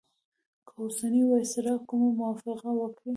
که اوسنی وایسرا کومه موافقه وکړي.